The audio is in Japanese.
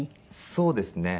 そうですね。